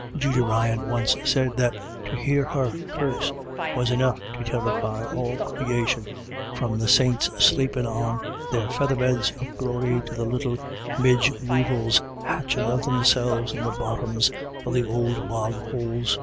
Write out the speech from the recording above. Judy Ryan once said that to hear her curse was enough to terrify all creation, i 86 IRISH ID YLLS. from the saints sleepin' on their feather beds o' glory, to the little midge weevils hatchin' of themselves in the bottoms of the ould bog holes.